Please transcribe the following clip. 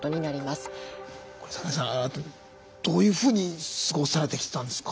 桜井さんどういうふうに過ごされてきたんですか？